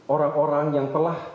orang orang yang telah